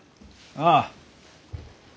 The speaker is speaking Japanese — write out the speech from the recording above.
ああ。